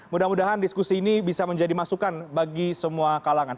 mudah mudahan diskusi ini bisa menjadi masukan bagi semua kalangan